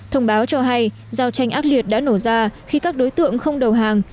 thông báo cho hay giao tranh ác liệt đã nổ ra khi các đối tượng không đầu hàng